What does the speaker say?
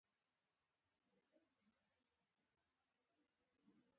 سړي د ماريا د تړاو پوښتنه وکړه.